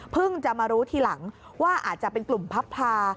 จะมารู้ทีหลังว่าอาจจะเป็นกลุ่มพับพา